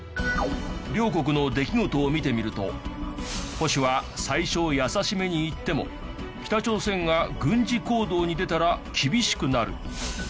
両国の出来事を見てみると保守は最初優しめにいっても北朝鮮が軍事行動に出たら厳しくなる。